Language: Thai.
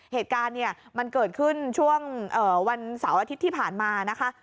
เหตุการณ์เนี่ยมันเกิดขึ้นช่วงวันเสาร์อาทิตย์ที่ผ่านมานะคะ